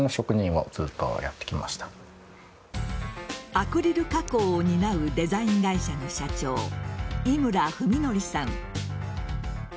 アクリル加工を担うデザイン会社の社長井村文紀さん。